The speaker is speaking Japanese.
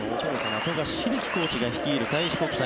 富樫英樹コーチが率いる開志国際。